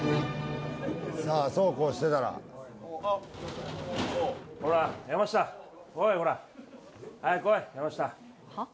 さあそうこうしてたらほら山下来いほら早く来い山下・はっ？